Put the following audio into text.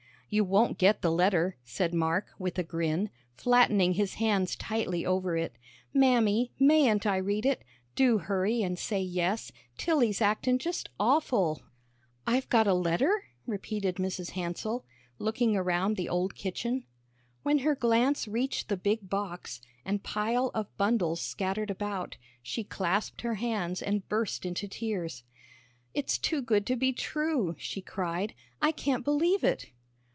"You won't get the letter," said Mark, with a grin, flattening his hands tightly over it. "Mammy, mayn't I read it? Do hurry an' say yes. Tilly's actin' just awful." "I've got a letter?" repeated Mrs. Hansell, looking around the old kitchen. When her glance reached the big box, and pile of bundles scattered about, she clasped her hands and burst into tears. "It's too good to be true," she cried; "I can't believe it."